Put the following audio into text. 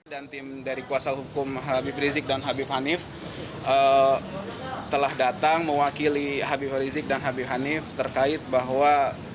dan tim dari kuasa hukum habib rizik dan habib hanif telah datang mewakili habib rizik dan habib hanif terkait bahwa